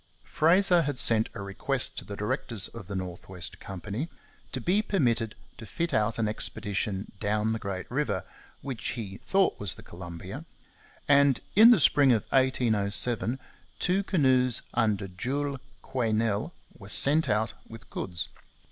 Fraser had sent a request to the directors of the North West Company to be permitted to fit out an expedition down the great river, which he thought was the Columbia; and in the spring of 1807 two canoes under Jules Quesnel were sent out with goods.